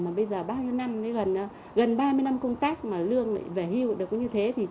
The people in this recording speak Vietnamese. mà bây giờ ba mươi năm gần ba mươi năm công tác mà lương lại về hưu được như thế